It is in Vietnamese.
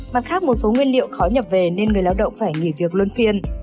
mặt khác một số nguyên liệu khó nhập về nên người lao động phải nghỉ việc luân phiên